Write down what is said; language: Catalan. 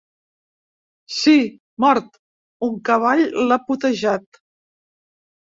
Sí, mort… Un cavall l'ha potejat.